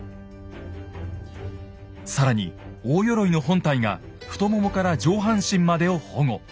更に大鎧の本体が太ももから上半身までを保護。